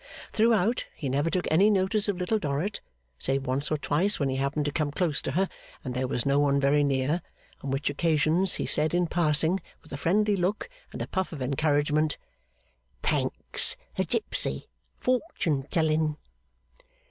Throughout he never took any notice of Little Dorrit, save once or twice when he happened to come close to her and there was no one very near; on which occasions, he said in passing, with a friendly look and a puff of encouragement, 'Pancks the gipsy fortune telling.